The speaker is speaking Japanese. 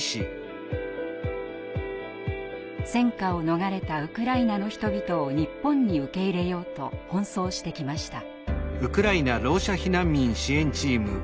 戦禍を逃れたウクライナの人々を日本に受け入れようと奔走してきました。